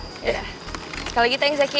sekali lagi thanks eki